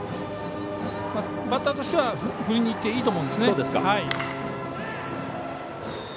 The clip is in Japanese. バッターとしては振りにいっていいです。